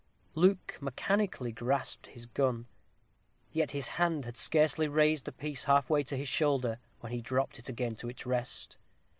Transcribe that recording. Luke mechanically grasped his gun; yet his hand had scarcely raised the piece half way to his shoulder, when he dropped it again to its rest.